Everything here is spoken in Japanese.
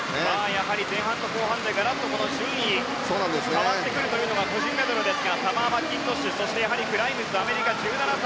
やはり前半と後半でガラッと順位変わってくるのが個人メドレーですがサマー・マッキントッシュグライムズ、アメリカ１７歳。